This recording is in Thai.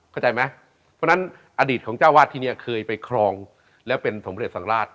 เข้าใจไหมเพราะฉะนั้นอดีตของเจ้าวาดที่เนี่ยเคยไปครองและเป็นสมเด็จสังราช